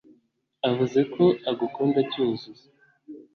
Avuze ko agukunda Cyuzuzo